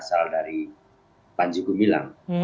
asal dari panji gumilang